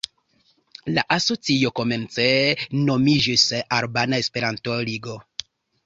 La asocio komence nomiĝis Albana Esperanto-Ligo.